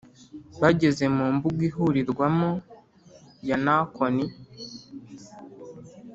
Bageze mu mbuga ihurirwamo ya Nakoni